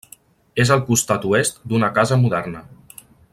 És al costat oest d'una casa moderna.